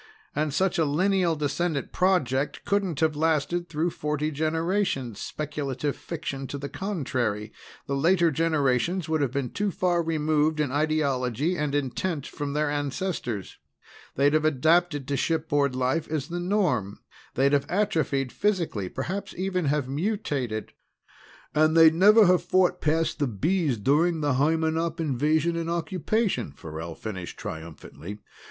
And such a lineal descendant project couldn't have lasted through forty generations, speculative fiction to the contrary the later generations would have been too far removed in ideology and intent from their ancestors. They'd have adapted to shipboard life as the norm. They'd have atrophied physically, perhaps even have mutated " "And they'd never have fought past the Bees during the Hymenop invasion and occupation," Farrell finished triumphantly.